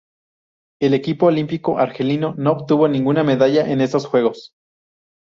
El equipo olímpico argelino no obtuvo ninguna medalla en estos Juegos.